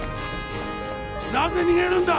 なぜ逃げるんだ！？